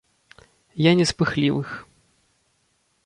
Я не з пыхлівых.